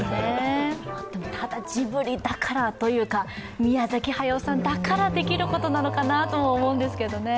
ただ、ジブリだからというか、宮崎駿さんだからということもあると思うんですけどね。